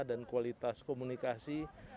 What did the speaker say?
dan kualitas komunikasi